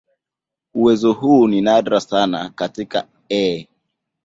Uwezo huu ni nadra sana katika "E.